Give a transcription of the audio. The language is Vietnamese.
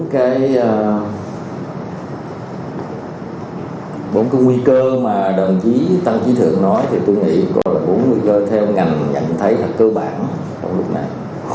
bốn cái nguy cơ mà đồng chí tân chí thượng nói thì tôi nghĩ gọi là bốn nguy cơ theo ngành nhận thấy là cơ bản trong lúc này